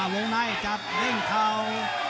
โรงในจับเล่งเข้า